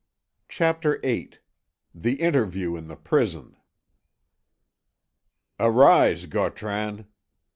CHAPTER VIII THE INTERVIEW IN THE PRISON "Arise, Gautran."